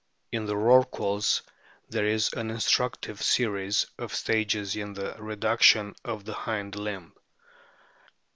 In the rorquals there is an instructive series of stages in the reduc tion of the hind limb.